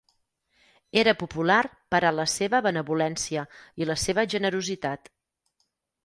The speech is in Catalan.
Era popular per a la seva benevolència i la seva generositat.